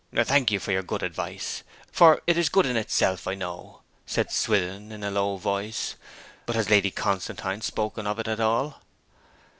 'Thank you for your good advice for it is good in itself, I know,' said Swithin, in a low voice. 'But has Lady Constantine spoken of it at all?'